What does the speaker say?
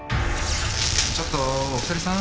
ちょっとお二人さん？